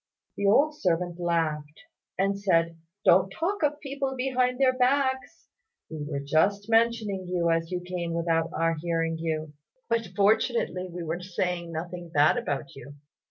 The old servant laughed, and said, "Don't talk of people behind their backs. We were just mentioning you as you came without our hearing you; but fortunately we were saying nothing bad about you.